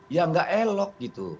ya nggak elok gitu